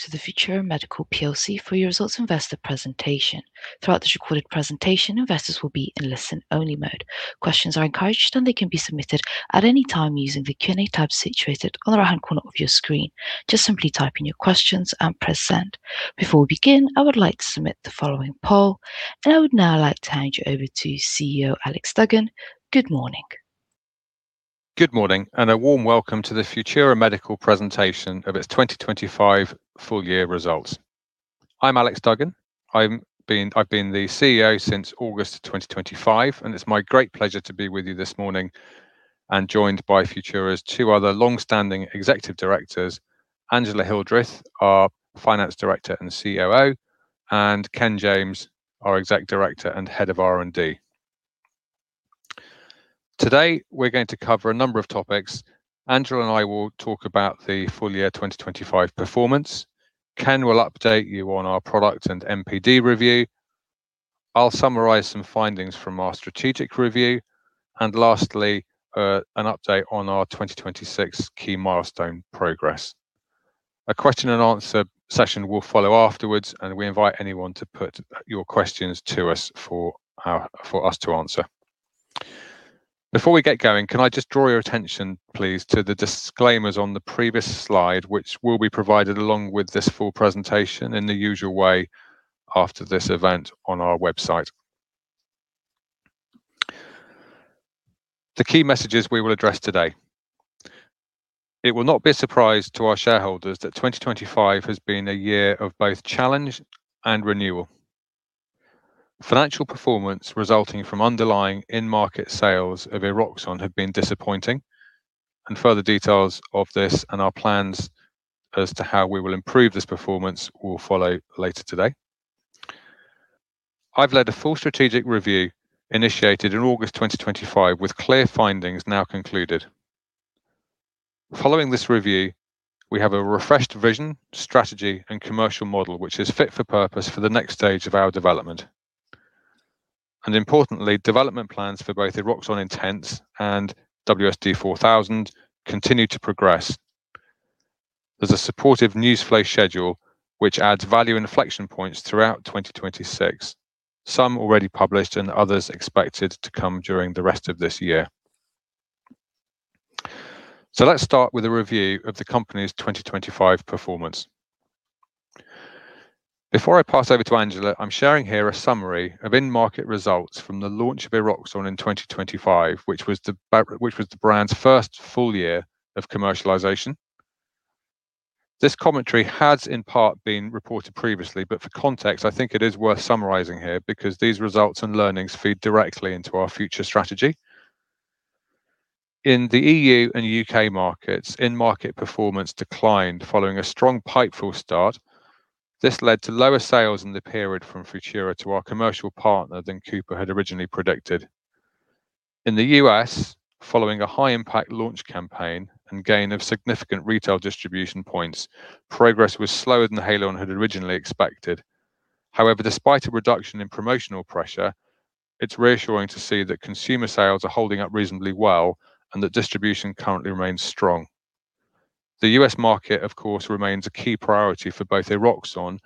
To the Futura Medical PLC for your results investor presentation. Throughout this recorded presentation, investors will be in listen-only mode. Questions are encouraged, and they can be submitted at any time using the Q&A tab situated on the right-hand corner of your screen. Just simply type in your questions and press Send. Before we begin, I would like to submit the following poll. I would now like to hand you over to CEO Alex Duggan. Good morning. Good morning and a warm welcome to the Futura Medical presentation of its 2025 full year results. I'm Alex Duggan. I've been the CEO since August 2025, and it's my great pleasure to be with you this morning and joined by Futura's two other longstanding executive directors, Angela Hildreth, our Finance Director and COO, and Ken James, our Exec Director and Head of R&D. Today, we're going to cover a number of topics. Angela and I will talk about the full year 2025 performance. Ken will update you on our product and MPD review. I'll summarize some findings from our strategic review. Lastly, an update on our 2026 key milestone progress. A question and answer session will follow afterwards. We invite anyone to put your questions to us for us to answer. Before we get going, can I just draw your attention, please, to the disclaimers on the previous slide, which will be provided along with this full presentation in the usual way after this event on our website. The key messages we will address today. It will not be a surprise to our shareholders that 2025 has been a year of both challenge and renewal. Financial performance resulting from underlying in-market sales of Eroxon have been disappointing, and further details of this and our plans as to how we will improve this performance will follow later today. I've led a full strategic review initiated in August 2025, with clear findings now concluded. Following this review, we have a refreshed vision, strategy, and commercial model, which is fit for purpose for the next stage of our development. Importantly, development plans for both Eroxon Intense and WSD4000 continue to progress. There's a supportive news flow schedule which adds value inflection points throughout 2026. Some already published and others expected to come during the rest of this year. Let's start with a review of the company's 2025 performance. Before I pass over to Angela, I'm sharing here a summary of end market results from the launch of Eroxon in 2025, which was the brand's first full year of commercialization. This commentary has in part been reported previously, but for context, I think it is worth summarizing here because these results and learnings feed directly into our future strategy. In the EU and U.K. markets, in-market performance declined following a strong pipeline fill start. This led to lower sales in the period from Futura to our commercial partner than Cooper had originally predicted. In the U.S., following a high-impact launch campaign and gain of significant retail distribution points, progress was slower than Haleon had originally expected. Despite a reduction in promotional pressure, it's reassuring to see that consumer sales are holding up reasonably well and that distribution currently remains strong. The U.S. market, of course, remains a key priority for both Eroxon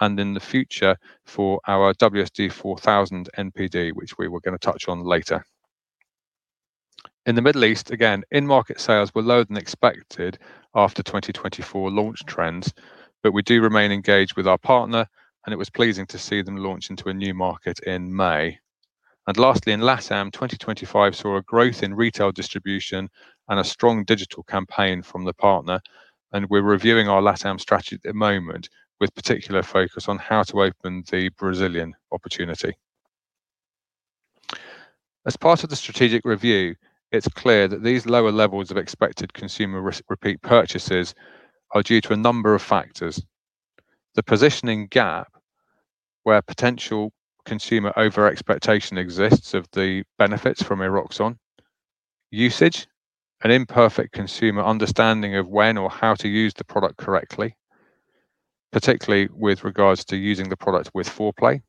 and in the future for our WSD4000 MPD, which we were gonna touch on later. In the Middle East, again, in-market sales were lower than expected after 2024 launch trends, but we do remain engaged with our partner, and it was pleasing to see them launch into a new market in May. Lastly, in LATAM, 2025 saw a growth in retail distribution and a strong digital campaign from the partner. We're reviewing our LATAM strategy at the moment with particular focus on how to open the Brazilian opportunity. As part of the strategic review, it's clear that these lower levels of expected consumer re-repeat purchases are due to a number of factors. The positioning gap, where potential consumer over-expectation exists of the benefits from Eroxon. Usage, an imperfect consumer understanding of when or how to use the product correctly, particularly with regards to using the product with foreplay.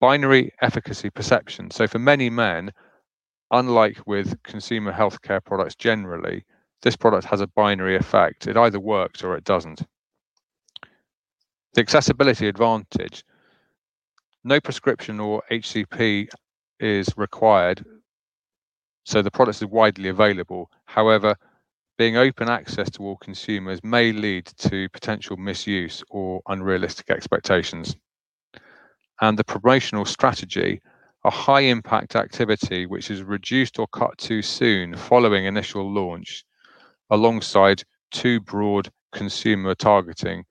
Binary efficacy perception. For many men, unlike with consumer healthcare products generally, this product has a binary effect. It either works or it doesn't. The accessibility advantage. No prescription or HCP is required, so the product is widely available. However, being open access to all consumers may lead to potential misuse or unrealistic expectations. The promotional strategy, a high-impact activity which is reduced or cut too soon following initial launch alongside too broad consumer targeting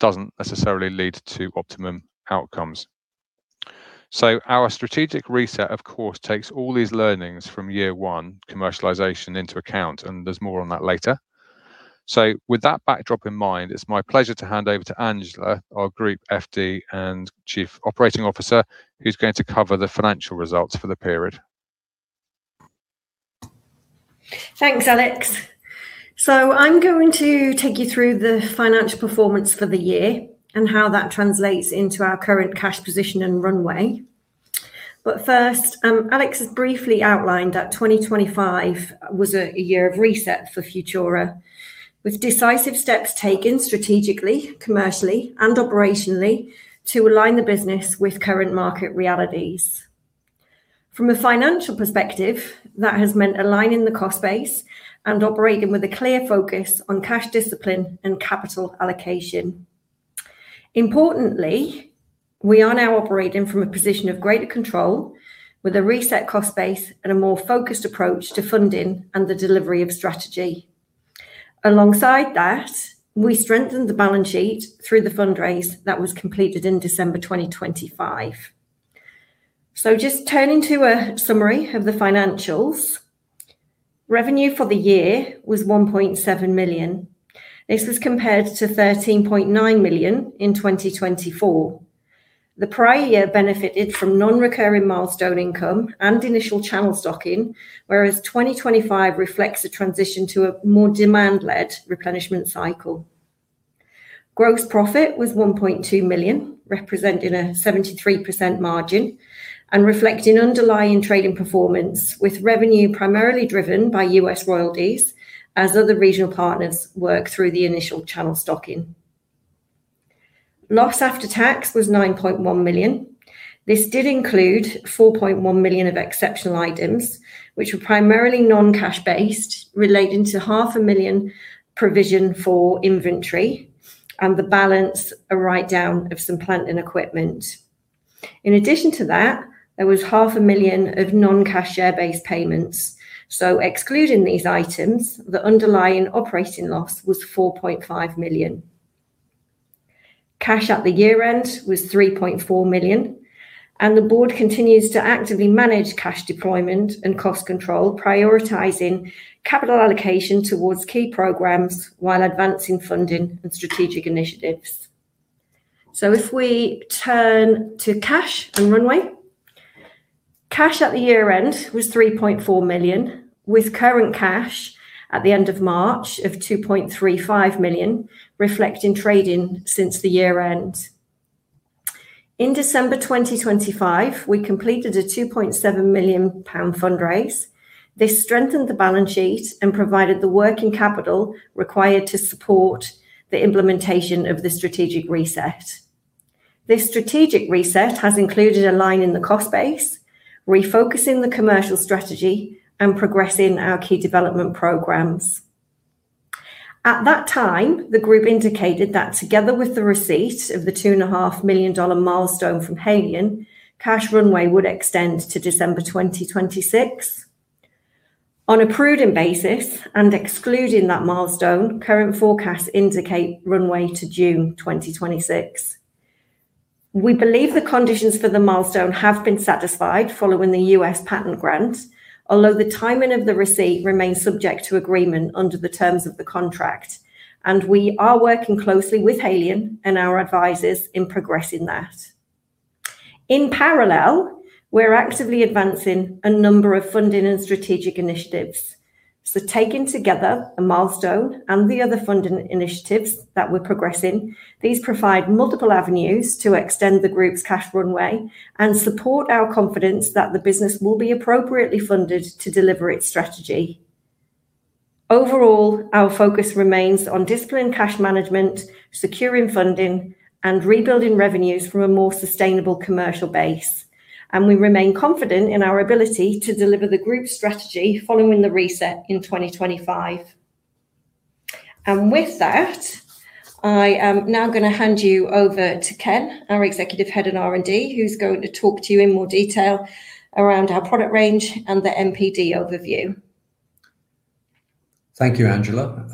doesn't necessarily lead to optimum outcomes. Our strategic reset, of course, takes all these learnings from year one commercialization into account, and there's more on that later. With that backdrop in mind, it's my pleasure to hand over to Angela, our Group FD and Chief Operating Officer, who's going to cover the financial results for the period. Thanks, Alex. I'm going to take you through the financial performance for the year and how that translates into our current cash position and runway. First, Alex has briefly outlined that 2025 was a year of reset for Futura, with decisive steps taken strategically, commercially, and operationally to align the business with current market realities. From a financial perspective, that has meant aligning the cost base and operating with a clear focus on cash discipline and capital allocation. Importantly, we are now operating from a position of greater control with a reset cost base and a more focused approach to funding and the delivery of strategy. Alongside that, we strengthened the balance sheet through the fundraise that was completed in December 2025. Just turning to a summary of the financials. Revenue for the year was 1.7 million. This was compared to 13.9 million in 2024. The prior year benefited from non-recurring milestone income and initial channel stocking, whereas 2025 reflects a transition to a more demand-led replenishment cycle. Gross profit was 1.2 million, representing a 73% margin, and reflecting underlying trading performance with revenue primarily driven by U.S. royalties as other regional partners work through the initial channel stocking. Loss after tax was 9.1 million. This did include 4.1 million of exceptional items, which were primarily non-cash based relating to half a million provision for inventory, and the balance, a write-down of some plant and equipment. In addition to that, there was half a million of non-cash share-based payments. Excluding these items, the underlying operating loss was 4.5 million. Cash at the year-end was 3.4 million. The board continues to actively manage cash deployment and cost control, prioritizing capital allocation towards key programs while advancing funding and strategic initiatives. If we turn to cash and runway. Cash at the year-end was 3.4 million, with current cash at the end of March of 2.35 million, reflecting trading since the year-end. In December 2025, we completed a 2.7 million pound fundraise. This strengthened the balance sheet and provided the working capital required to support the implementation of the Strategic Reset. This Strategic Reset has included aligning the cost base, refocusing the commercial strategy, and progressing our key development programs. At that time, the group indicated that together with the receipt of the two and a half million US dollar milestone from Haleon, cash runway would extend to December 2026. On a prudent basis, excluding that milestone, current forecasts indicate runway to June 2026. We believe the conditions for the milestone have been satisfied following the U.S. patent grant, although the timing of the receipt remains subject to agreement under the terms of the contract, and we are working closely with Haleon and our advisors in progressing that. In parallel, we're actively advancing a number of funding and strategic initiatives. Taken together, the milestone and the other funding initiatives that we're progressing, these provide multiple avenues to extend the group's cash runway and support our confidence that the business will be appropriately funded to deliver its strategy. Overall, our focus remains on disciplined cash management, securing funding, and rebuilding revenues from a more sustainable commercial base, and we remain confident in our ability to deliver the group's strategy following the reset in 2025. With that, I am now going to hand you over to Ken, our Executive Head in R&D, who is going to talk to you in more detail around our product range and the MPD overview. Thank you, Angela.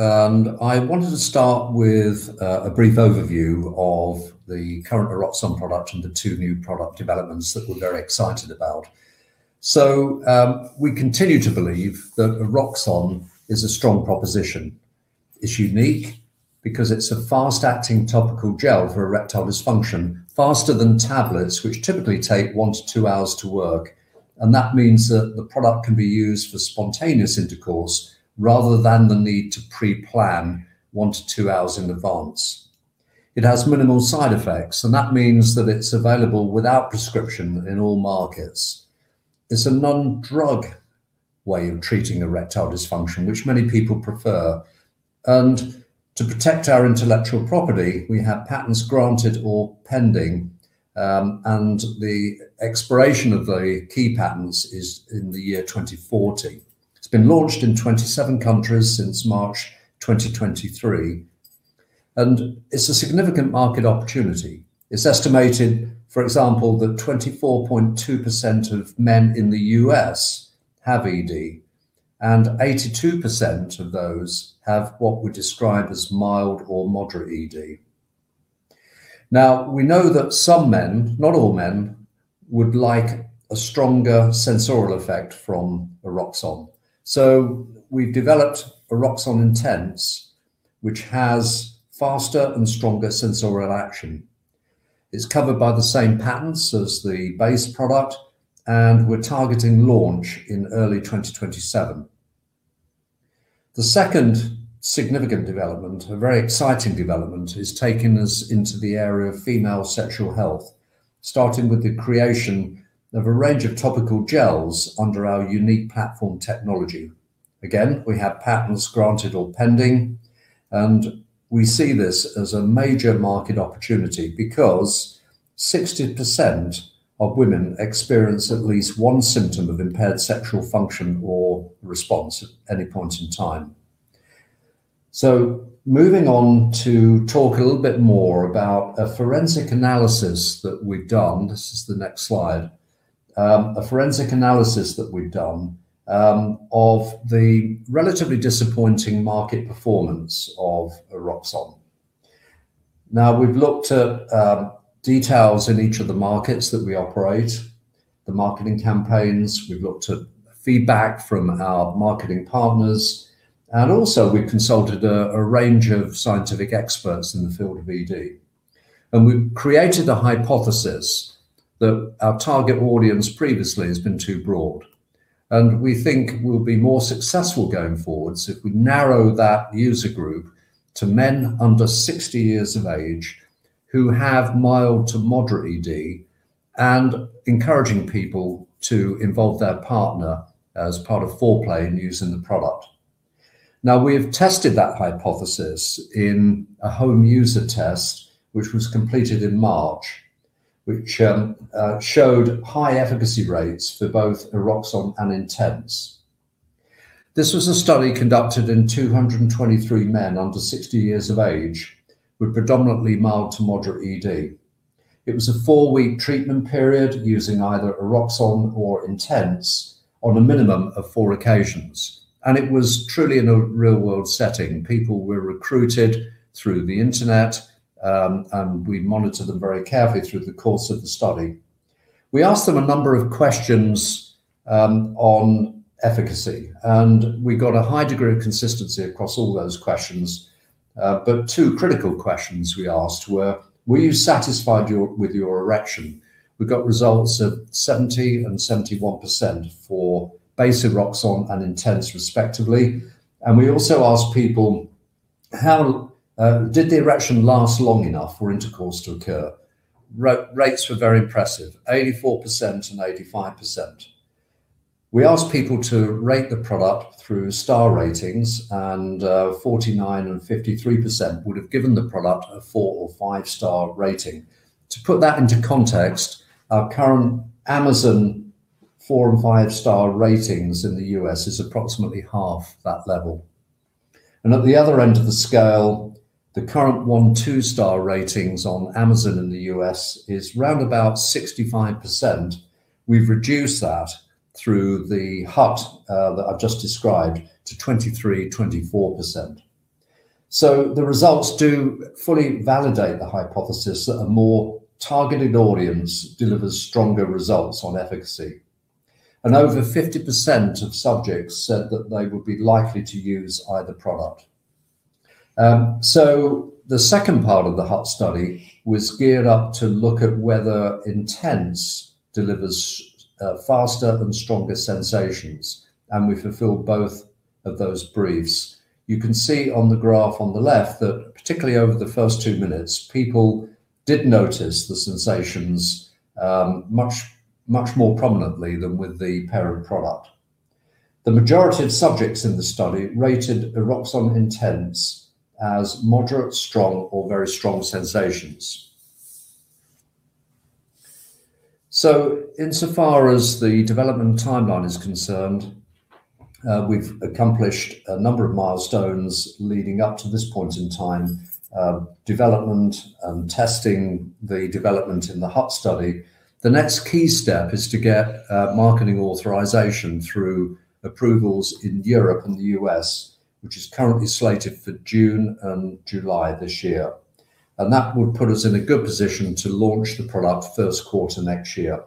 I wanted to start with a brief overview of the current Eroxon product and the two new product developments that we're very excited about. We continue to believe that Eroxon is a strong proposition. It's unique because it's a fast-acting topical gel for erectile dysfunction, faster than tablets, which typically take one to two hours to work. That means that the product can be used for spontaneous intercourse rather than the need to pre-plan one to two hours in advance. It has minimal side effects, and that means that it's available without prescription in all markets. It's a non-drug way of treating erectile dysfunction, which many people prefer. To protect our intellectual property, we have patents granted or pending, and the expiration of the key patents is in the year 2040. It's been launched in 27 countries since March 2023, and it's a significant market opportunity. It's estimated, for example, that 24.2% of men in the U.S. have ED, and 82% of those have what we describe as mild or moderate ED. We know that some men, not all men, would like a stronger sensorial effect from Eroxon. We've developed Eroxon Intense, which has faster and stronger sensorial action. It's covered by the same patents as the base product, and we're targeting launch in early 2027. The second significant development, a very exciting development, is taking us into the area of female sexual health, starting with the creation of a range of topical gels under our unique platform technology. We have patents granted or pending, and we see this as a major market opportunity because 60% of women experience at least one symptom of impaired sexual function or response at any point in time. Moving on to talk a little bit more about a forensic analysis that we've done, this is the next slide, a forensic analysis that we've done of the relatively disappointing market performance of Eroxon. We've looked at details in each of the markets that we operate, the marketing campaigns. We've looked at feedback from our marketing partners, and also we've consulted a range of scientific experts in the field of ED. We've created a hypothesis that our target audience previously has been too broad. We think we'll be more successful going forwards if we narrow that user group to men under 60 years of age who have mild to moderate ED and encouraging people to involve their partner as part of foreplay in using the product. We have tested that hypothesis in a home user test, which was completed in March, which showed high efficacy rates for both Eroxon and Intense. This was a study conducted in 223 men under 60 years of age with predominantly mild to moderate ED. It was a four-week treatment period using either Eroxon or Intense on a minimum of four occasions. It was truly in a real-world setting. People were recruited through the internet, and we monitored them very carefully through the course of the study. We asked them a number of questions on efficacy, and we got a high degree of consistency across all those questions. Two critical questions we asked were you satisfied with your erection? We got results of 70% and 71% for base Eroxon and Intense, respectively. We also asked people, how, did the erection last long enough for intercourse to occur? Rates were very impressive, 84% and 85%. We asked people to rate the product through star ratings, and 49% and 53% would have given the product a four or five-star rating. To put that into context, our current Amazon four- and five-star ratings in the U.S. is approximately half that level. At the other end of the scale, the current one- two-star ratings on Amazon in the U.S. is around about 65%. We've reduced that through the HUT that I've just described to 23%, 24%. The results do fully validate the hypothesis that a more targeted audience delivers stronger results on efficacy. Over 50% of subjects said that they would be likely to use either product. The second part of the HUT study was geared up to look at whether Intense delivers faster and stronger sensations. We fulfilled both of those briefs. You can see on the graph on the left that particularly over the first two minutes, people did notice the sensations much more prominently than with the parent product. The majority of subjects in the study rated Eroxon Intense as moderate, strong, or very strong sensations. Insofar as the development timeline is concerned, we've accomplished a number of milestones leading up to this point in time, development and testing the development in the HUT study. The next key step is to get marketing authorization through approvals in Europe and the U.S., which is currently slated for June and July this year. That would put us in a good position to launch the product first quarter next year.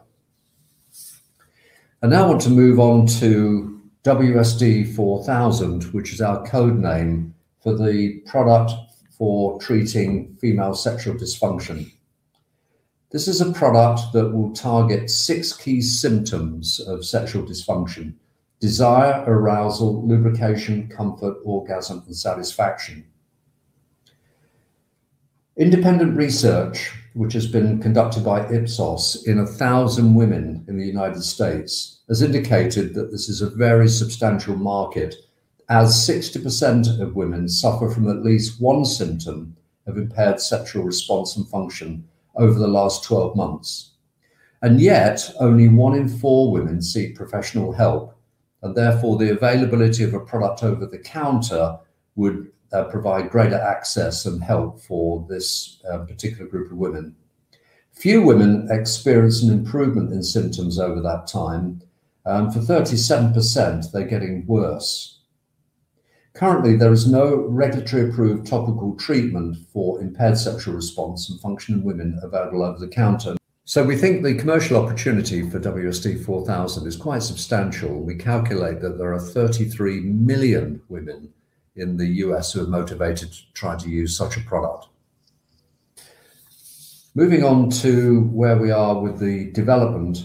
I now want to move on to WSD4000, which is our code name for the product for treating female sexual dysfunction. This is a product that will target six key symptoms of sexual dysfunction, desire, arousal, lubrication, comfort, orgasm, and satisfaction. Independent research, which has been conducted by Ipsos in 1,000 women in the United States, has indicated that this is a very substantial market as 60% of women suffer from at least one symptom of impaired sexual response and function over the last 12 months. Yet, only one in four women seek professional help, and therefore the availability of a product over the counter would provide greater access and help for this particular group of women. Few women experience an improvement in symptoms over that time. For 37%, they're getting worse. Currently, there is no regulatory approved topical treatment for impaired sexual response and function in women available over the counter. We think the commercial opportunity for WSD4000 is quite substantial. We calculate that there are 33 million women in the U.S. who are motivated to try to use such a product. Moving on to where we are with the development,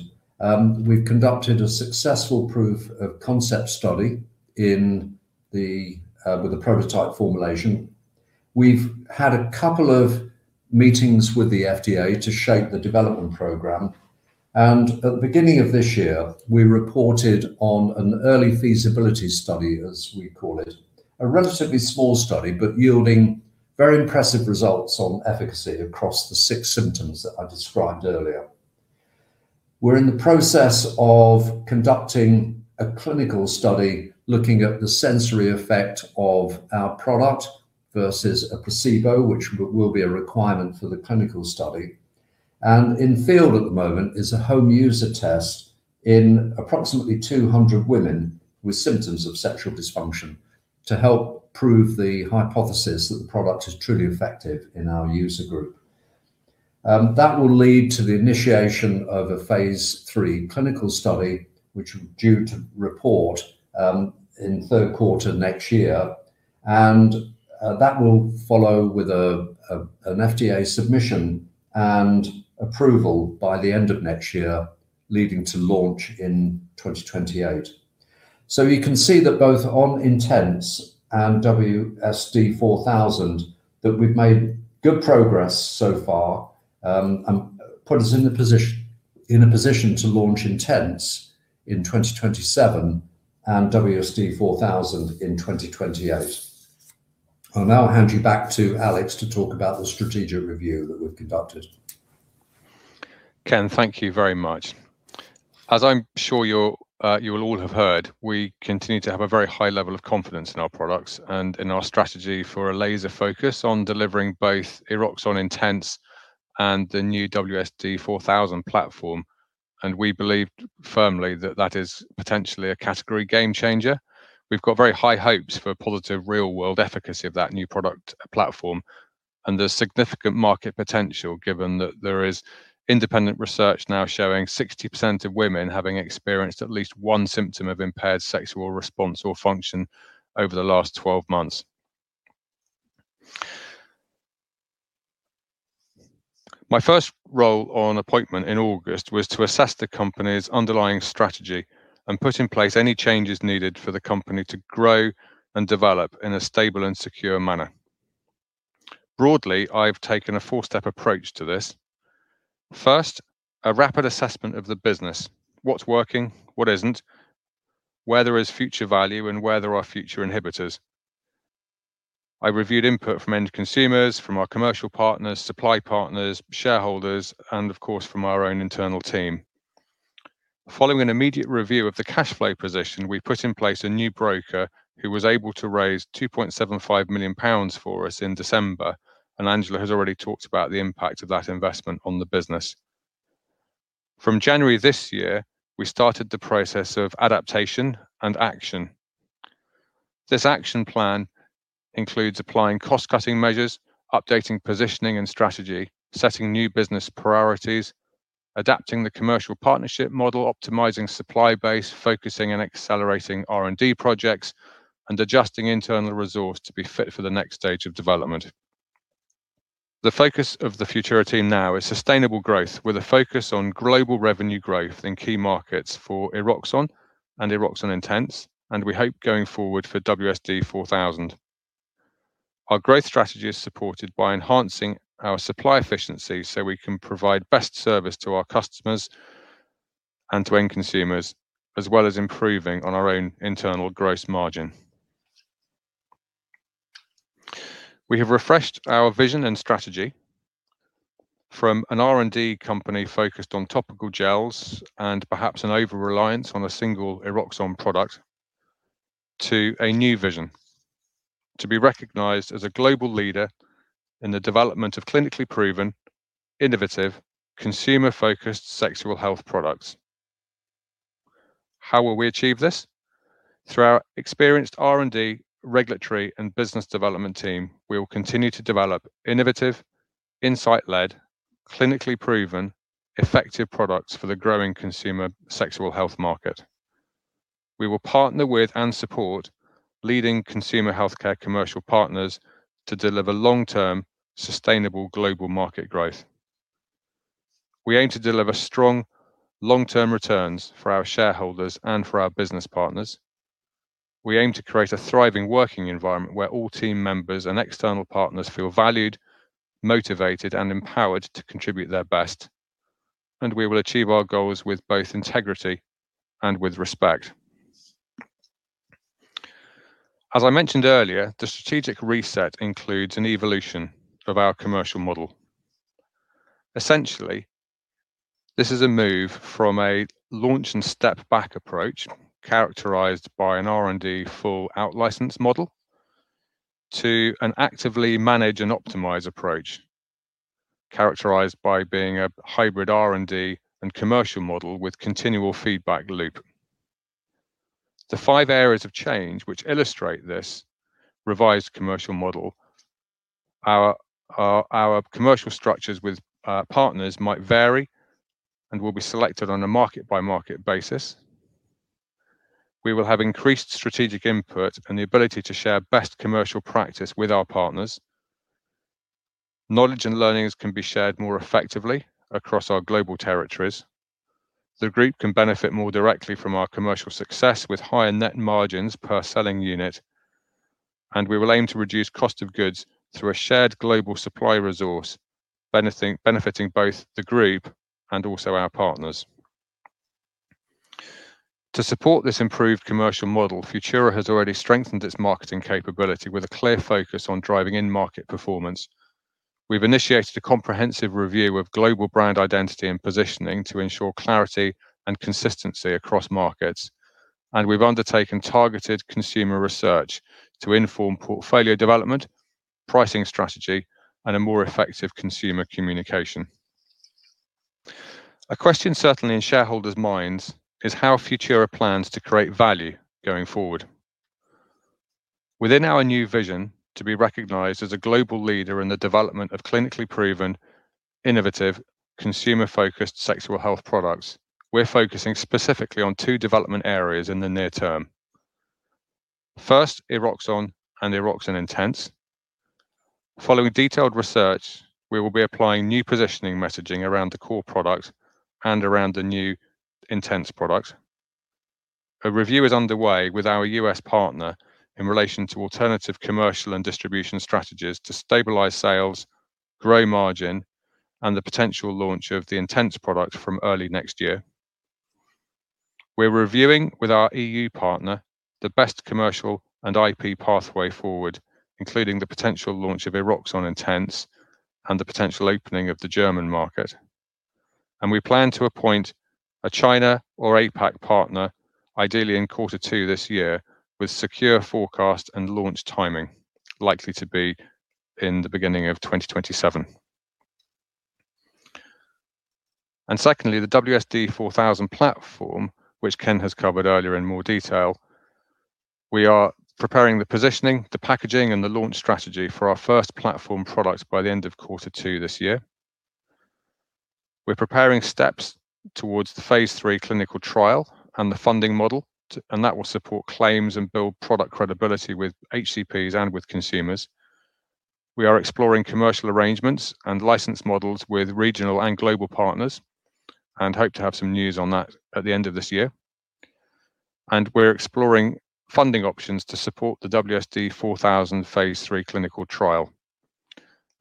we've conducted a successful proof of concept study in the with the prototype formulation. We've had a couple of meetings with the FDA to shape the development program, and at the beginning of this year, we reported on an early feasibility study, as we call it. A relatively small study, but yielding very impressive results on efficacy across the six symptoms that I described earlier. We're in the process of conducting a clinical study looking at the sensory effect of our product versus a placebo, which will be a requirement for the clinical study. In field at the moment is a home user test in approximately 200 women with symptoms of sexual dysfunction to help prove the hypothesis that the product is truly effective in our user group. That will lead to the initiation of a phase III clinical study, which will due to report in third quarter next year. That will follow with an FDA submission and approval by the end of next year, leading to launch in 2028. You can see that both on Intense and WSD4000 that we've made good progress so far, and put us in a position to launch Intense in 2027 and WSD4000 in 2028. I'll now hand you back to Alex to talk about the strategic review that we've conducted. Ken, thank you very much. As I'm sure you'll, you will all have heard, we continue to have a very high level of confidence in our products and in our strategy for a laser focus on delivering both Eroxon Intense and the new WSD4000 platform, and we believe firmly that that is potentially a category game changer. We've got very high hopes for positive real-world efficacy of that new product platform and the significant market potential given that there is independent research now showing 60% of women having experienced at least one symptom of impaired sexual response or function over the last 12 months. My first role on appointment in August was to assess the company's underlying strategy and put in place any changes needed for the company to grow and develop in a stable and secure manner. Broadly, I've taken a four-step approach to this. First, a rapid assessment of the business, what's working, what isn't, where there is future value, and where there are future inhibitors. I reviewed input from end consumers, from our commercial partners, supply partners, shareholders, and of course, from our own internal team. Following an immediate review of the cash flow position, we put in place a new broker who was able to raise 2.75 million pounds for us in December, and Angela has already talked about the impact of that investment on the business. From January this year, we started the process of adaptation and action. This action plan includes applying cost-cutting measures, updating positioning and strategy, setting new business priorities, adapting the commercial partnership model, optimizing supply base, focusing and accelerating R&D projects, and adjusting internal resource to be fit for the next stage of development. The focus of the Futura team now is sustainable growth with a focus on global revenue growth in key markets for Eroxon and Eroxon Intense, and we hope going forward for WSD4000. Our growth strategy is supported by enhancing our supply efficiency so we can provide best service to our customers and to end consumers, as well as improving on our own internal gross margin. We have refreshed our vision and strategy from an R&D company focused on topical gels and perhaps an over-reliance on a single Eroxon product to a new vision, to be recognized as a global leader in the development of clinically proven, innovative, consumer-focused sexual health products. How will we achieve this? Through our experienced R&D, regulatory, and business development team, we will continue to develop innovative, insight-led, clinically proven, effective products for the growing consumer sexual health market. We will partner with and support leading consumer healthcare commercial partners to deliver long-term, sustainable global market growth. We aim to deliver strong long-term returns for our shareholders and for our business partners. We aim to create a thriving working environment where all team members and external partners feel valued, motivated, and empowered to contribute their best, and we will achieve our goals with both integrity and with respect. As I mentioned earlier, the strategic reset includes an evolution of our commercial model. Essentially, this is a move from a launch and step back approach characterized by an R&D full out-license model to an actively manage and optimize approach characterized by being a hybrid R&D and commercial model with continual feedback loop. The five areas of change which illustrate this revised commercial model are our commercial structures with partners might vary and will be selected on a market-by-market basis. We will have increased strategic input and the ability to share best commercial practice with our partners. Knowledge and learnings can be shared more effectively across our global territories. The group can benefit more directly from our commercial success with higher net margins per selling unit. We will aim to reduce cost of goods through a shared global supply resource, benefiting both the group and also our partners. To support this improved commercial model, Futura has already strengthened its marketing capability with a clear focus on driving in-market performance. We've initiated a comprehensive review of global brand identity and positioning to ensure clarity and consistency across markets, and we've undertaken targeted consumer research to inform portfolio development, pricing strategy, and a more effective consumer communication. A question certainly in shareholders' minds is how Futura plans to create value going forward. Within our new vision to be recognized as a global leader in the development of clinically proven, innovative, consumer-focused sexual health products, we're focusing specifically on two development areas in the near term. First, Eroxon and Eroxon Intense. Following detailed research, we will be applying new positioning messaging around the core product and around the new Intense product. A review is underway with our U.S. partner in relation to alternative commercial and distribution strategies to stabilize sales, grow margin, and the potential launch of the Intense product from early next year. We're reviewing with our EU partner the best commercial and IP pathway forward, including the potential launch of Eroxon Intense and the potential opening of the German market. We plan to appoint a China or APAC partner, ideally in Q2 this year, with secure forecast and launch timing likely to be in the beginning of 2027. Secondly, the WSD4000 platform, which Ken has covered earlier in more detail. We are preparing the positioning, the packaging, and the launch strategy for our first platform product by the end of Q2 this year. We're preparing steps towards the phase III clinical trial and the funding model that will support claims and build product credibility with HCPs and with consumers. We are exploring commercial arrangements and license models with regional and global partners and hope to have some news on that at the end of this year. We're exploring funding options to support the WSD4000 phase III clinical trial.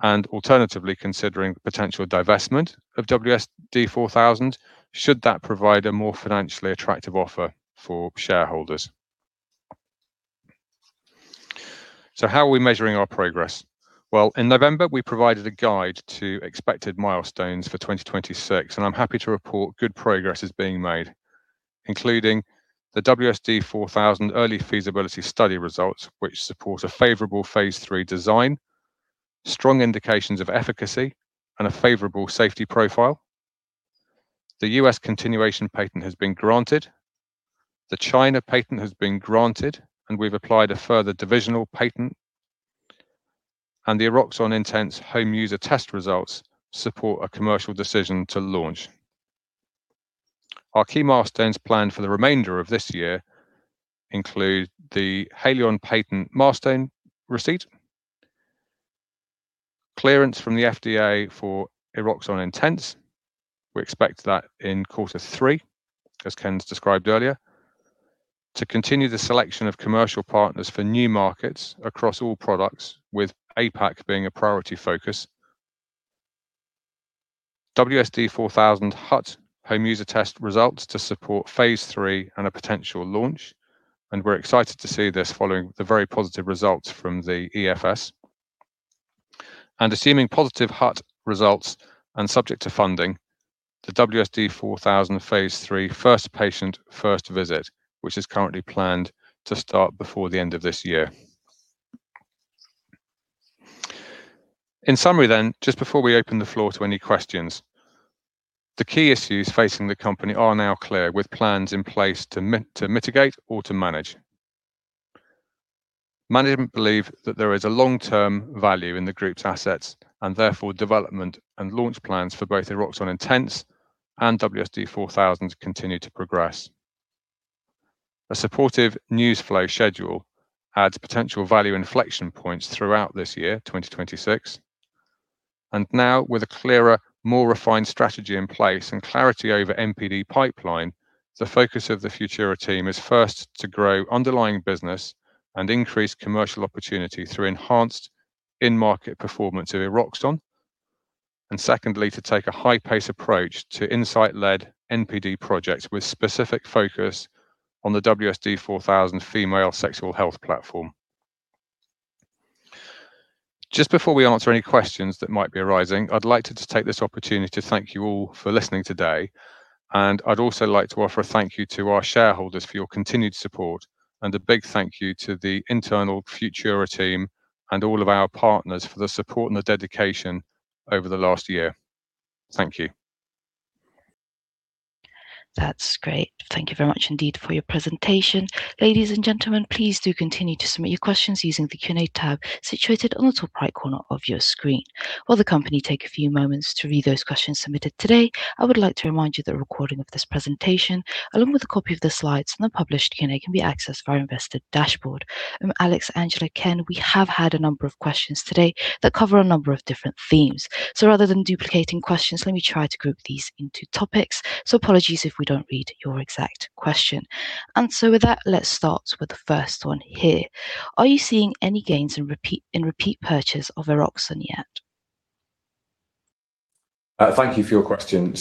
Alternatively, considering potential divestment of WSD4000 should that provide a more financially attractive offer for shareholders. How are we measuring our progress? Well, in November, we provided a guide to expected milestones for 2026. I'm happy to report good progress is being made, including the WSD4000 early feasibility study results, which support a favorable phase III design, strong indications of efficacy, and a favorable safety profile. The U.S. continuation patent has been granted. The China patent has been granted. We've applied a further divisional patent. The Eroxon Intense home user test results support a commercial decision to launch. Our key milestones planned for the remainder of this year include the Haleon patent milestone receipt, clearance from the FDA for Eroxon Intense. We expect that in quarter three, as Ken's described earlier. To continue the selection of commercial partners for new markets across all products, with APAC being a priority focus. WSD4000 HUT, home user test, results to support phase III and a potential launch, and we're excited to see this following the very positive results from the EFS. Assuming positive HUT results and subject to funding, the WSD4000 phase III first patient first visit, which is currently planned to start before the end of this year. In summary, just before we open the floor to any questions, the key issues facing the company are now clear with plans in place to mitigate or to manage. Management believe that there is a long-term value in the group's assets and therefore development and launch plans for both Eroxon Intense and WSD4000 continue to progress. A supportive news flow schedule adds potential value inflection points throughout this year, 2026. With a clearer, more refined strategy in place and clarity over NPD pipeline, the focus of the Futura team is first to grow underlying business and increase commercial opportunity through enhanced in-market performance of Eroxon. Secondly, to take a high-pace approach to insight-led NPD projects with specific focus on the WSD4000 female sexual health platform. Just before we answer any questions that might be arising, I'd like to take this opportunity to thank you all for listening today. I'd also like to offer a thank you to our shareholders for your continued support and a big thank you to the internal Futura team and all of our partners for the support and the dedication over the last year. Thank you. That's great. Thank you very much indeed for your presentation. Ladies and gentlemen, please do continue to submit your questions using the Q&A tab situated on the top right corner of your screen. While the company take a few moments to read those questions submitted today, I would like to remind you that a recording of this presentation, along with a copy of the slides and the published Q&A, can be accessed via our investor dashboard. Alex, Angela, Ken, we have had a number of questions today that cover a number of different themes. Rather than duplicating questions, let me try to group these into topics. Apologies if we don't read your exact question. With that, let's start with the first one here. Are you seeing any gains in repeat purchase of Eroxon yet? Thank you for your question.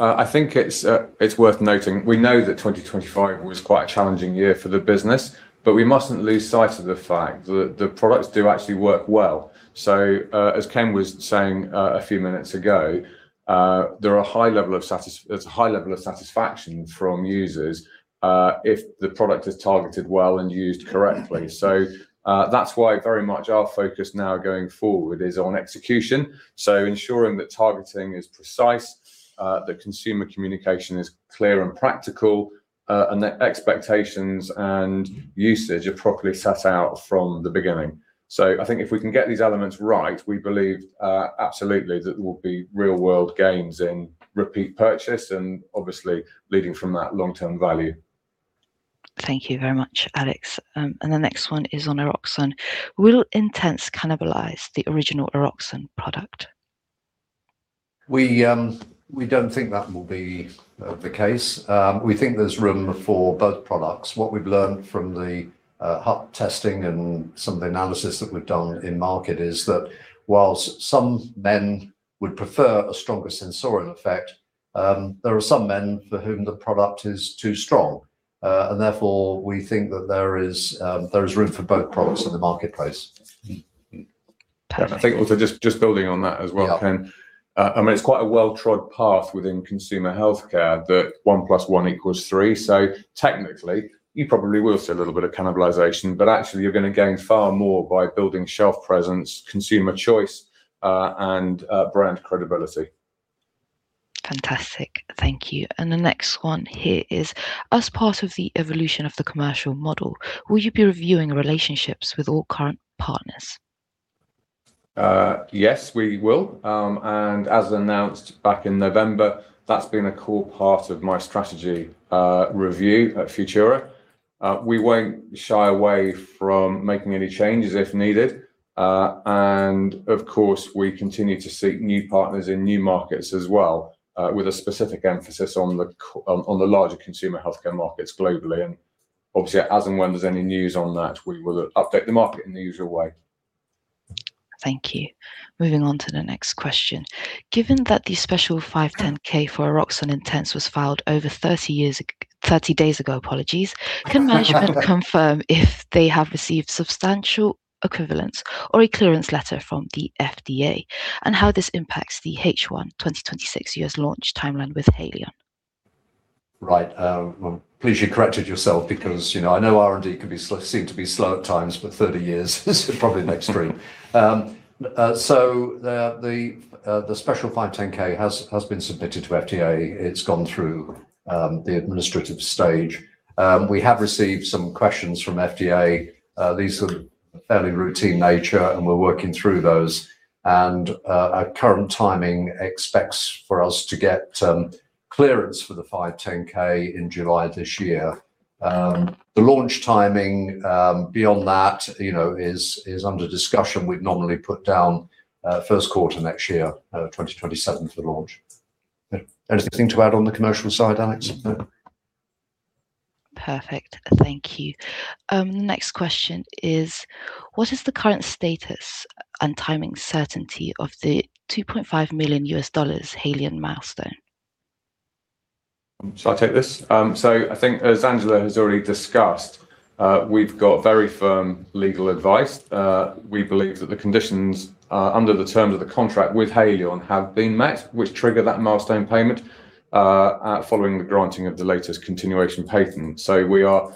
I think it's worth noting, we know that 2025 was quite a challenging year for the business, but we mustn't lose sight of the fact that the products do actually work well. As Ken was saying, a few minutes ago, there's a high level of satisfaction from users, if the product is targeted well and used correctly. That's why very much our focus now going forward is on execution. Ensuring that targeting is precise, that consumer communication is clear and practical, and that expectations and usage are properly set out from the beginning. I think if we can get these elements right, we believe, absolutely that there will be real world gains in repeat purchase and obviously leading from that long-term value. Thank you very much, Alex. The next one is on Eroxon. Will Intense cannibalize the original Eroxon product? We don't think that will be the case. We think there's room for both products. What we've learned from the HUT testing and some of the analysis that we've done in market is that whilst some men would prefer a stronger sensorial effect, there are some men for whom the product is too strong. Therefore, we think that there is room for both products in the marketplace. I think also just building on that as well, Ken. Yeah. I mean, it's quite a well-trod path within consumer healthcare that one plus one equals three. Technically, you probably will see a little bit of cannibalization, actually you're gonna gain far more by building shelf presence, consumer choice, and brand credibility. Fantastic. Thank you. The next one here is, as part of the evolution of the commercial model, will you be reviewing relationships with all current partners? Yes, we will. As announced back in November, that's been a core part of my strategy review at Futura. We won't shy away from making any changes if needed. Of course, we continue to seek new partners in new markets as well, with a specific emphasis on the larger consumer healthcare markets globally. Obviously, as and when there's any news on that, we will update the market in the usual way. Thank you. Moving on to the next question. Given that the special 510K for Eroxon Intense was filed over 30 days ago, apologies. Can management confirm if they have received substantial equivalence or a clearance letter from the FDA, and how this impacts the H1 2026 U.S. launch timeline with Haleon? Right. Well, I'm pleased you corrected yourself because, you know, I know R&D can be slow, seem to be slow at times, but 30 years is probably an extreme. The special 510K has been submitted to FDA. It's gone through the administrative stage. We have received some questions from FDA. These are fairly routine nature, we're working through those. Our current timing expects for us to get clearance for the 510K in July this year. The launch timing, beyond that, you know, is under discussion. We'd normally put down first quarter next year, 2027 for launch. Anything to add on the commercial side, Alex? No. Perfect. Thank you. Next question is, what is the current status and timing certainty of the $2.5 million Haleon milestone? Shall I take this? I think as Angela has already discussed, we've got very firm legal advice. We believe that the conditions under the terms of the contract with Haleon have been met, which trigger that milestone payment following the granting of the latest continuation patent. We are,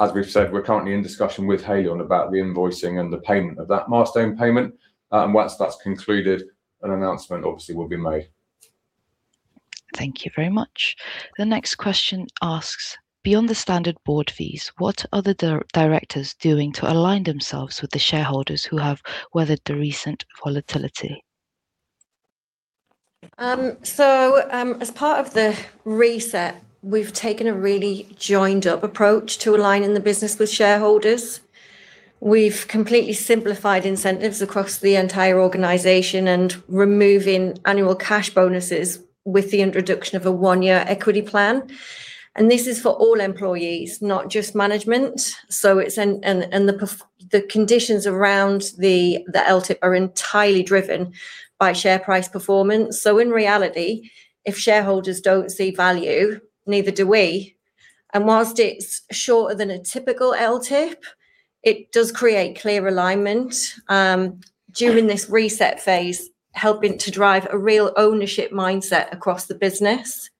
as we've said, we're currently in discussion with Haleon about the invoicing and the payment of that milestone payment. Once that's concluded, an announcement obviously will be made. Thank you very much. The next question asks, beyond the standard board fees, what are the directors doing to align themselves with the shareholders who have weathered the recent volatility? As part of the reset, we've taken a really joined up approach to aligning the business with shareholders. We've completely simplified incentives across the entire organization and removing annual cash bonuses with the introduction of a one-year equity plan. This is for all employees, not just management. The conditions around the LTIP are entirely driven by share price performance. In reality, if shareholders don't see value, neither do we. While it's shorter than a typical LTIP, it does create clear alignment during this reset phase, helping to drive a real ownership mindset across the business.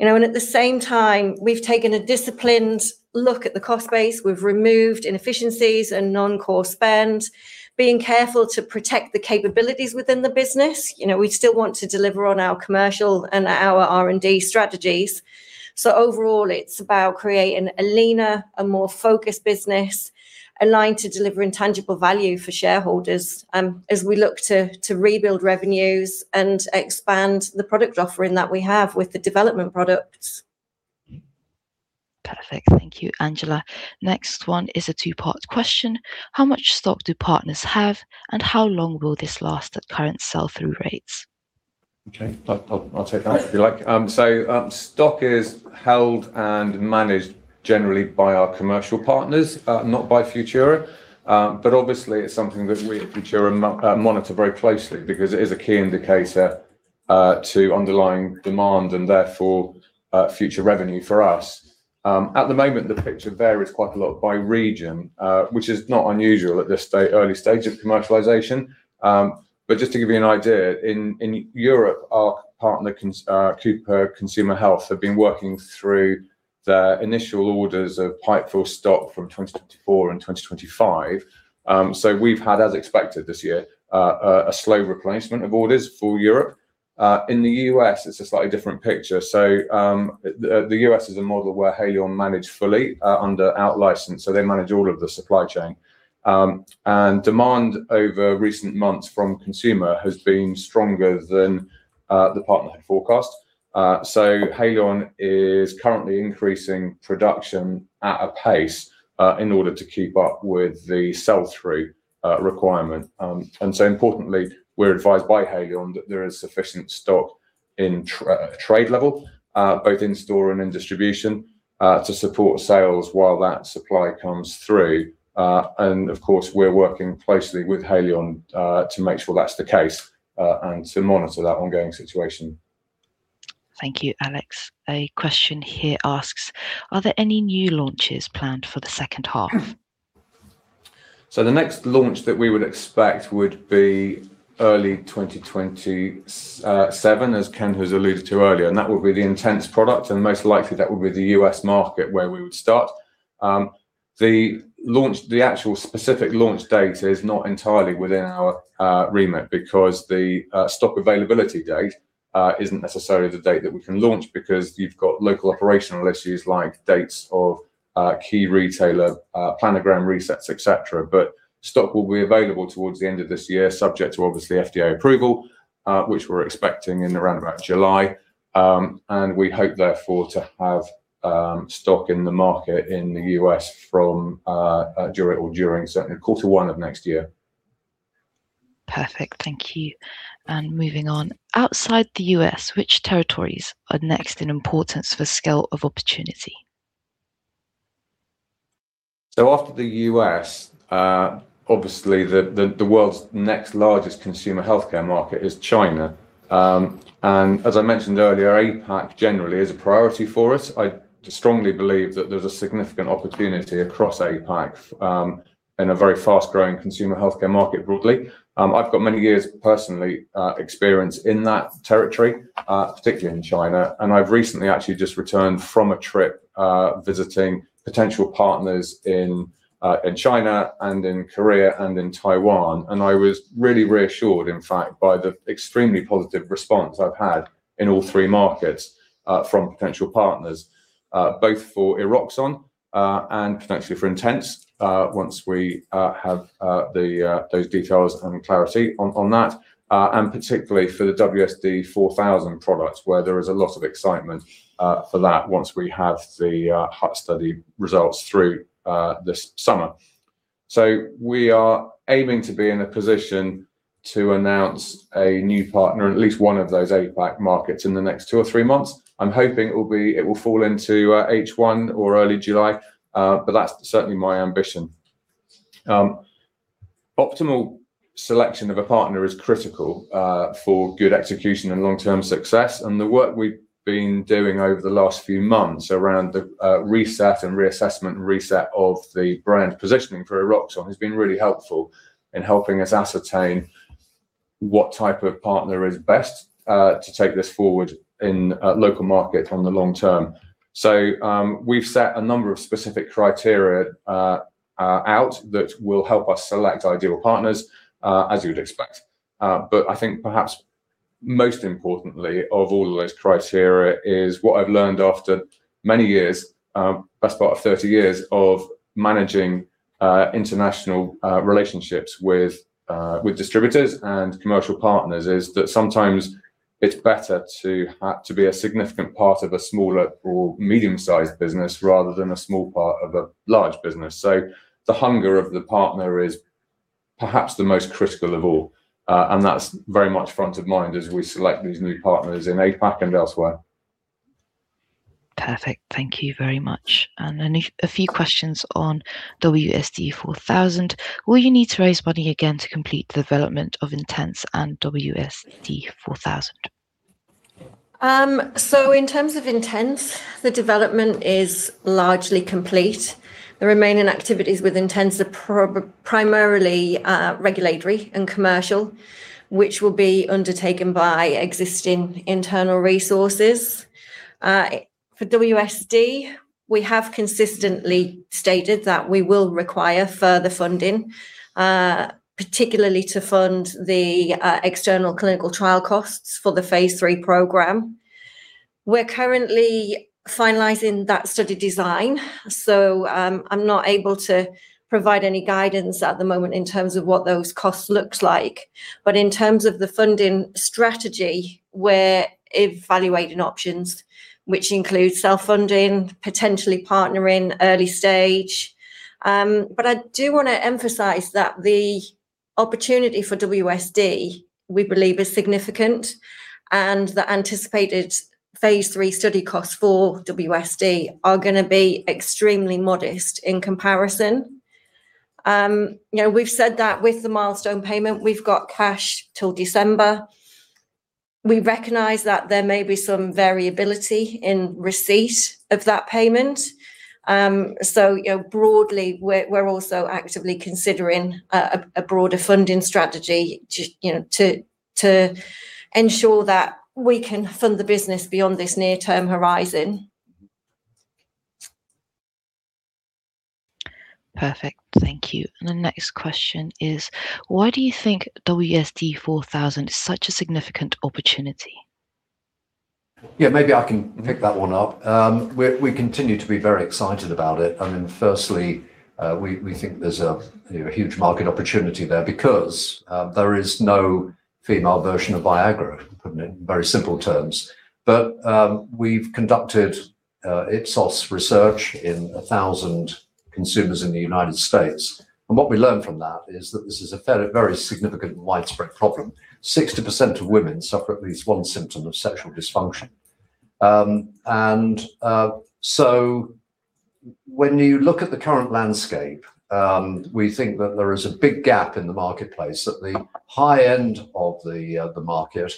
You know, at the same time we've taken a disciplined look at the cost base. We've removed inefficiencies and non-core spend, being careful to protect the capabilities within the business. You know, we still want to deliver on our commercial and our R&D strategies. Overall it's about creating a leaner and more focused business aligned to delivering tangible value for shareholders, as we look to rebuild revenues and expand the product offering that we have with the development products. Perfect. Thank you, Angela. Next one is a two-part question. How much stock do partners have, and how long will this last at current sell-through rates? Okay. I'll take that if you like. Stock is held and managed generally by our commercial partners, not by Futura. Obviously it's something that we at Futura monitor very closely because it is a key indicator to underlying demand and therefore, future revenue for us. At the moment the picture varies quite a lot by region, which is not unusual at this early stage of commercialization. Just to give you one idea, in Europe our partner Cooper Consumer Health have been working through their initial orders of pipeline fill stock from 2024 and 2025. We've had, as expected this year, a slow replacement of orders for Europe. In the U.S. it's a slightly different picture. The U.S. is a model where Haleon manage fully, under out license, so they manage all of the supply chain. Demand over recent months from consumer has been stronger than the partner had forecast. Haleon is currently increasing production at a pace in order to keep up with the sell-through requirement. Importantly, we're advised by Haleon that there is sufficient stock in trade level, both in store and in distribution, to support sales while that supply comes through. Of course we're working closely with Haleon to make sure that's the case and to monitor that ongoing situation. Thank you, Alex. A question here asks: Are there any new launches planned for the second half? The next launch that we would expect would be early 2027, as Ken has alluded to earlier, and that would be the Intense product, and most likely that would be the U.S. market where we would start. The launch, the actual specific launch date is not entirely within our remit because the stock availability date isn't necessarily the date that we can launch because you've got local operational issues like dates of key retailer planogram resets, et cetera. Stock will be available towards the end of this year, subject to obviously FDA approval, which we're expecting in around about July. And we hope therefore to have stock in the market in the U.S. from during or during certainly quarter one of next year. Perfect, thank you. Moving on. Outside the U.S., which territories are next in importance for scale of opportunity? After the U.S., obviously the world's next largest consumer healthcare market is China. As I mentioned earlier, APAC generally is a priority for us. I strongly believe that there's a significant opportunity across APAC in a very fast-growing consumer healthcare market broadly. I've got many years personally experience in that territory, particularly in China, and I've recently actually just returned from a trip visiting potential partners in China and in Korea and in Taiwan. I was really reassured, in fact, by the extremely positive response I've had in all three markets from potential partners, both for Eroxon, and potentially for Intense, once we have the those details and clarity on that. Particularly for the WSD4000 products where there is a lot of excitement for that once we have the HUT study results through this summer. We are aiming to be in a position to announce a new partner in at least one of those APAC markets in the next two or three months. I'm hoping it will fall into H1 or early July. That's certainly my ambition. Optimal selection of a partner is critical for good execution and long-term success. The work we've been doing over the last few months around the reset and reassessment and reset of the brand positioning for Eroxon has been really helpful in helping us ascertain what type of partner is best to take this forward in a local market on the long term. We've set a number of specific criteria out that will help us select ideal partners, as you would expect. I think perhaps most importantly of all of those criteria is what I've learned after many years, best part of 30 years of managing international relationships with distributors and commercial partners, is that sometimes it's better to be a significant part of a smaller or medium-sized business rather than a small part of a large business. The hunger of the partner is perhaps the most critical of all. And that's very much front of mind as we select these new partners in APAC and elsewhere. Perfect. Thank you very much. A few questions on WSD4000. Will you need to raise money again to complete the development of Intense and WSD4000? In terms of Intense, the development is largely complete. The remaining activities with Intense are primarily regulatory and commercial, which will be undertaken by existing internal resources. For WSD, we have consistently stated that we will require further funding, particularly to fund the external clinical trial costs for the phase III program. We're currently finalizing that study design, I'm not able to provide any guidance at the moment in terms of what those costs looks like. In terms of the funding strategy, we're evaluating options, which include self-funding, potentially partnering early stage. I do wanna emphasize that the opportunity for WSD, we believe is significant, and the anticipated phase III study costs for WSD are gonna be extremely modest in comparison. You know, we've said that with the milestone payment, we've got cash till December. We recognize that there may be some variability in receipt of that payment. You know, broadly we're also actively considering a broader funding strategy to, you know, to ensure that we can fund the business beyond this near-term horizon. Perfect. Thank you. The next question is: Why do you think WSD4000 is such a significant opportunity? Yeah, maybe I can pick that one up. We continue to be very excited about it. I mean, firstly, we think there's a, you know, a huge market opportunity there because there is no female version of Viagra, putting it in very simple terms. We've conducted Ipsos research in 1,000 consumers in the U.S., and what we learned from that is that this is a very, very significant and widespread problem. 60% of women suffer at least one symptom of sexual dysfunction. When you look at the current landscape, we think that there is a big gap in the marketplace. At the high end of the market,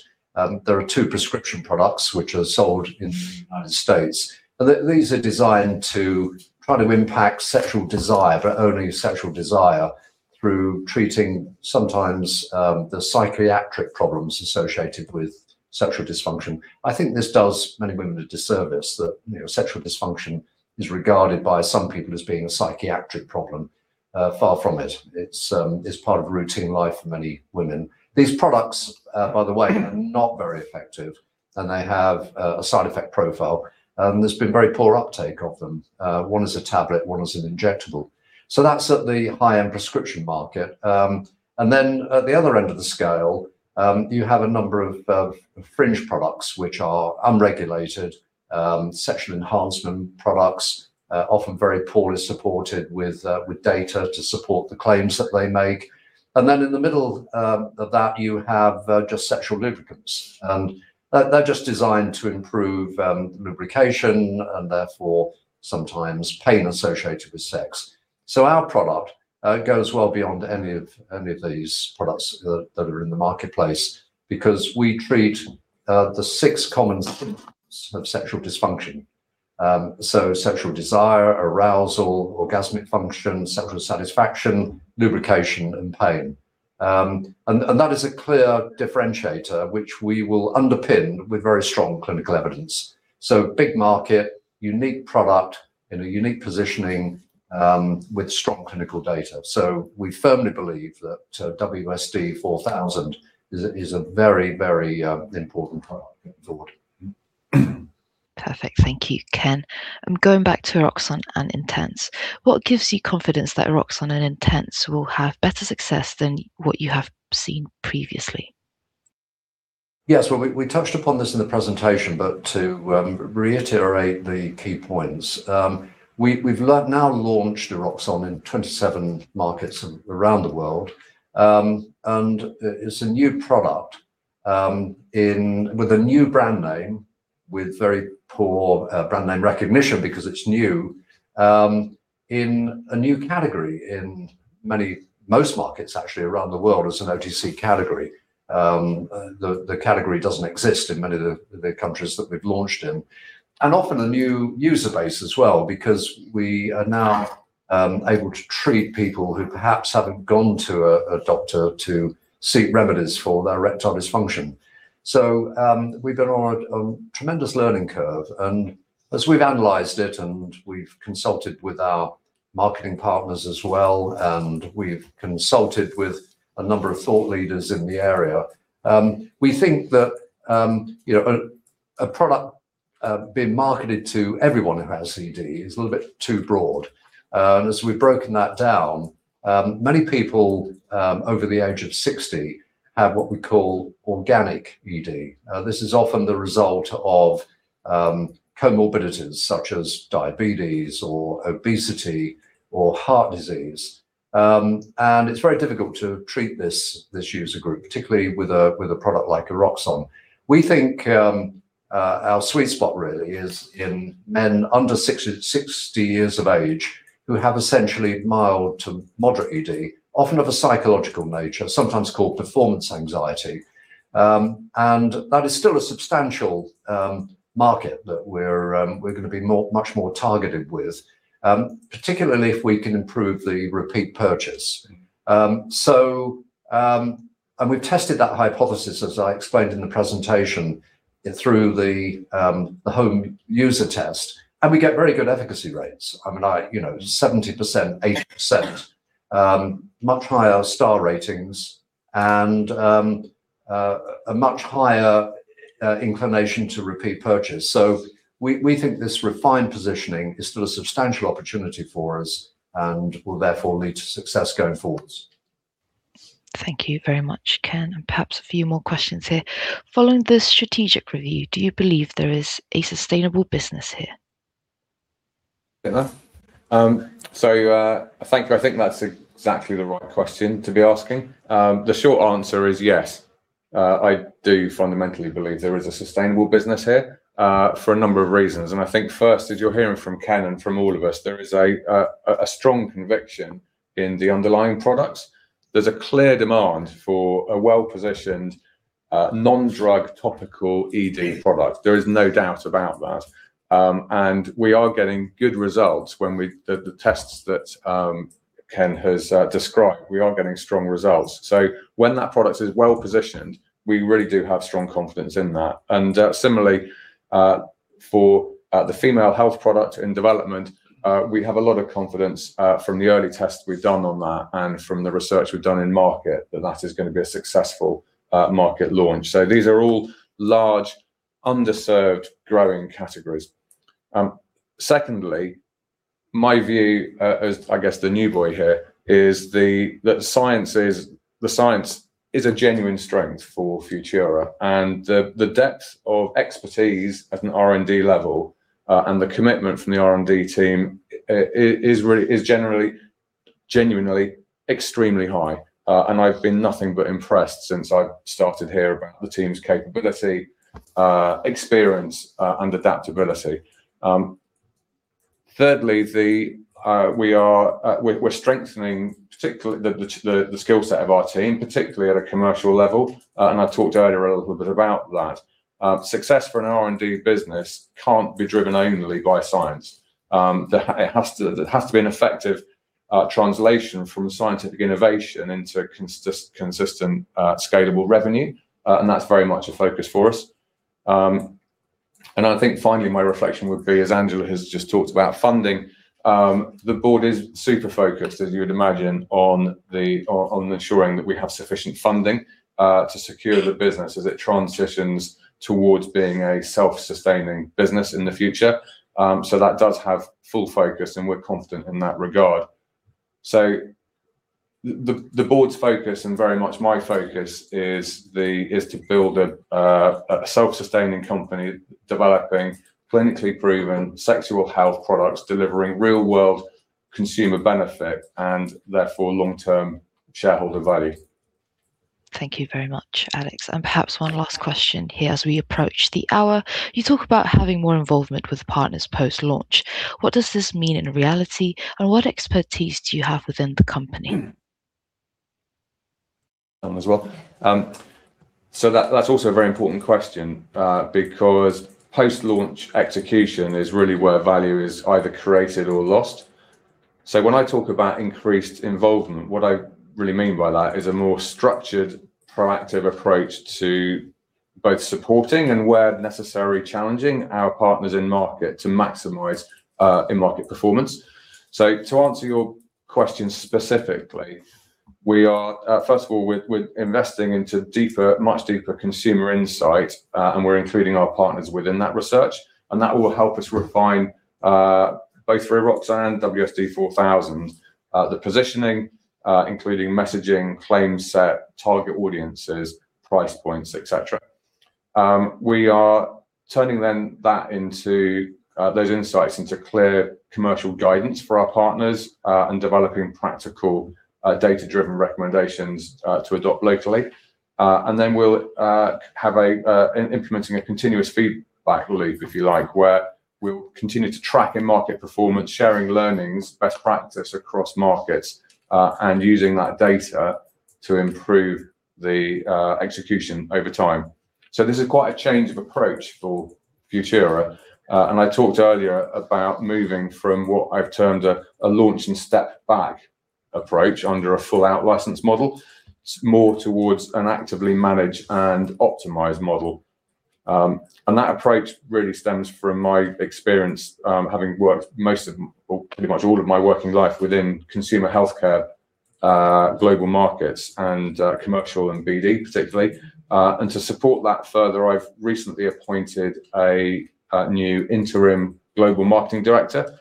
there are two prescription products which are sold in the States. These are designed to try to impact sexual desire, but only sexual desire, through treating sometimes the psychiatric problems associated with sexual dysfunction. I think this does many women a disservice that, you know, sexual dysfunction is regarded by some people as being a psychiatric problem. Far from it. It's part of routine life for many women. These products, by the way, are not very effective, and they have a side effect profile. There's been very poor uptake of them. One is a tablet, one is an injectable. That's at the high-end prescription market. At the other end of the scale, you have a number of fringe products which are unregulated sexual enhancement products, often very poorly supported with data to support the claims that they make. In the middle of that, you have just sexual lubricants, and they're just designed to improve lubrication and therefore sometimes pain associated with sex. Our product goes well beyond any of these products that are in the marketplace because we treat the six common symptoms of sexual dysfunction. Sexual desire, arousal, orgasmic function, sexual satisfaction, lubrication, and pain. And that is a clear differentiator, which we will underpin with very strong clinical evidence. Big market, unique product in a unique positioning, with strong clinical data. We firmly believe that WSD4000 is a very, very important product going forward. Perfect. Thank you, Ken. Going back to Eroxon and Intense, what gives you confidence that Eroxon and Intense will have better success than what you have seen previously? Yes. Well, we touched upon this in the presentation, but to reiterate the key points. We've now launched Eroxon in 27 markets around the world. It's a new product with a new brand name, with very poor brand name recognition because it's new, in a new category. In many, most markets actually around the world as an OTC category. The category doesn't exist in many of the countries that we've launched in. Often a new user base as well because we are now able to treat people who perhaps haven't gone to a doctor to seek remedies for their erectile dysfunction. We've been on a tremendous learning curve, and as we've analyzed it, and we've consulted with our marketing partners as well, and we've consulted with a number of thought leaders in the area, we think that, you know, a product being marketed to everyone who has ED is a little bit too broad. As we've broken that down, many people over the age of 60 have what we call organic ED. This is often the result of comorbidities such as diabetes or obesity or heart disease. It's very difficult to treat this user group, particularly with a product like Eroxon. We think our sweet spot really is in men under 60 years of age who have essentially mild to moderate ED, often of a psychological nature, sometimes called performance anxiety. That is still a substantial market that we're gonna be more, much more targeted with, particularly if we can improve the repeat purchase. We've tested that hypothesis, as I explained in the presentation, through the Home User Test, and we get very good efficacy rates. I mean, you know, 70%, 80%. Much higher star ratings and a much higher inclination to repeat purchase. We think this refined positioning is still a substantial opportunity for us and will therefore lead to success going forwards. Thank you very much, Ken. Perhaps a few more questions here. Following the strategic review, do you believe there is a sustainable business here? Bit now. I thank you. I think that's exactly the right question to be asking. The short answer is yes, I do fundamentally believe there is a sustainable business here for a number of reasons. I think first, as you're hearing from Ken and from all of us, there is a strong conviction in the underlying products. There's a clear demand for a well-positioned non-drug topical ED product. There is no doubt about that. We are getting good results when the tests that Ken has described, we are getting strong results. When that product is well-positioned, we really do have strong confidence in that. Similarly, for the female health product in development, we have a lot of confidence from the early tests we've done on that and from the research we've done in market that that is gonna be a successful market launch. These are all large, underserved, growing categories. Secondly, my view as I guess the new boy here is that the science is a genuine strength for Futura and the depth of expertise at an R&D level and the commitment from the R&D team is really genuinely extremely high. I've been nothing but impressed since I started here about the team's capability, experience, and adaptability. Thirdly, we are strengthening particularly the skill set of our team, particularly at a commercial level. I talked earlier a little bit about that. Success for an R&D business can't be driven only by science. It has to be an effective translation from scientific innovation into consistent, scalable revenue. That's very much a focus for us. I think finally my reflection would be, as Angela has just talked about funding, the board is super focused, as you would imagine, on ensuring that we have sufficient funding to secure the business as it transitions towards being a self-sustaining business in the future. That does have full focus, and we're confident in that regard. The board's focus and very much my focus is to build a self-sustaining company developing clinically proven sexual health products, delivering real world consumer benefit, and therefore long-term shareholder value. Thank you very much, Alex. Perhaps one last question here as we approach the hour. You talk about having more involvement with partners post-launch. What does this mean in reality, and what expertise do you have within the company? As well. That's also a very important question because post-launch execution is really where value is either created or lost. When I talk about increased involvement, what I really mean by that is a more structured, proactive approach to both supporting and, where necessary, challenging our partners in market to maximize in-market performance. To answer your question specifically, we are, first of all, we're investing into deeper, much deeper consumer insight. We're including our partners within that research, and that will help us refine both Eroxon and WSD4000, the positioning, including messaging, claim set, target audiences, price points, et cetera. We are turning then that into those insights into clear commercial guidance for our partners and developing practical, data-driven recommendations to adopt locally. Then we'll have a implementing a continuous feedback loop, if you like, where we'll continue to track and market performance, sharing learnings, best practice across markets, using that data to improve the execution over time. This is quite a change of approach for Futura. I talked earlier about moving from what I've termed a launch and step back approach under a full out license model. It's more towards an actively manage and optimize model. That approach really stems from my experience having worked most of, or pretty much all of my working life within consumer healthcare, global markets and commercial and BD particularly. To support that further, I've recently appointed a new interim global marketing director.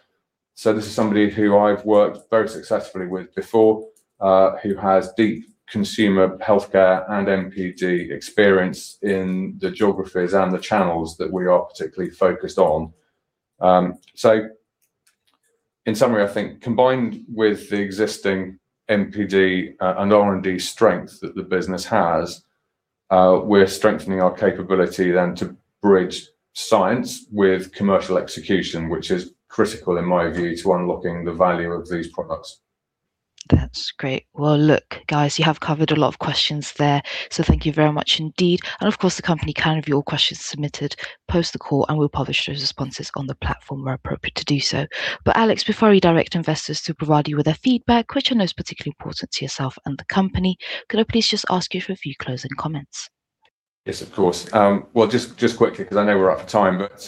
This is somebody who I've worked very successfully with before, who has deep consumer healthcare and MPD experience in the geographies and the channels that we are particularly focused on. In summary, I think combined with the existing MPD, and R&D strength that the business has, we're strengthening our capability then to bridge science with commercial execution, which is critical, in my view, to unlocking the value of these products. That's great. Well, look, guys, you have covered a lot of questions there, so thank you very much indeed. Of course, the company can review all questions submitted post the call, and we'll publish those responses on the platform where appropriate to do so. Alex, before I direct investors to provide you with their feedback, which are most particularly important to yourself and the company, could I please just ask you for a few closing comments? Yes, of course. Well, just quickly because I know we're out of time, but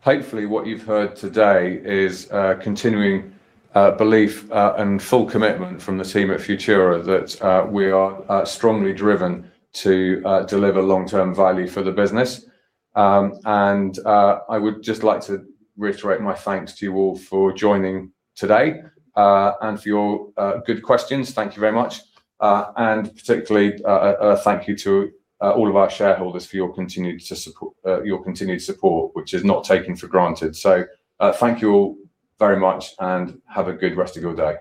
hopefully what you've heard today is a continuing belief and full commitment from the team at Futura that we are strongly driven to deliver long-term value for the business. I would just like to reiterate my thanks to you all for joining today and for your good questions. Thank you very much. Particularly, thank you to all of our shareholders for your continued support, which is not taken for granted. Thank you all very much and have a good rest of your day.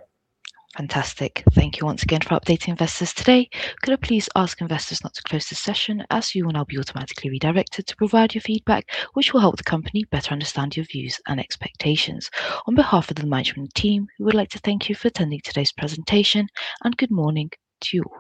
Fantastic. Thank you once again for updating investors today. Could I please ask investors not to close this session, as you will now be automatically redirected to provide your feedback, which will help the company better understand your views and expectations. On behalf of the management team, we would like to thank you for attending today's presentation, and good morning to you all.